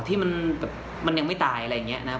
ที่มันแบบมันยังไม่ตายอะไรอย่างนี้นะครับ